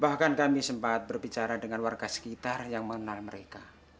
bahkan kami sempat berbicara dengan warga sekitar yang mengenal mereka